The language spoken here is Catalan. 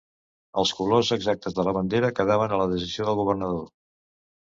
Els colors exactes de la bandera quedaven a la decisió del governador.